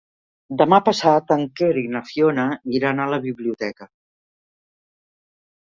Demà passat en Quer i na Fiona iran a la biblioteca.